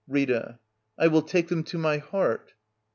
Rita. I will take them to my heart.